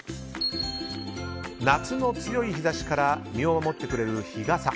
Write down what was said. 夏の強い日差しから身を守ってくれる日傘。